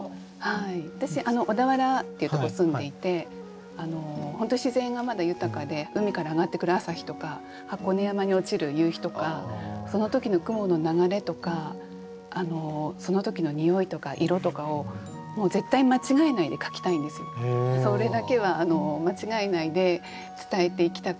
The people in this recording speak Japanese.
私小田原っていうとこ住んでいて本当に自然がまだ豊かで海から上がってくる朝日とか箱根山に落ちる夕日とかその時の雲の流れとかその時のにおいとか色とかをそれだけは間違えないで伝えていきたくて。